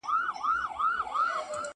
د درملو جانبي عوارض څه دي؟